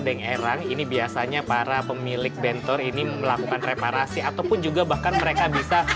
beng erang ini biasanya para pemilik bentor ini melakukan reparasi ataupun juga bahkan mereka bisa